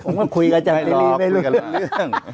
ผมว่าคุยกับอาจารย์วันชัยไม่รู้เรื่อง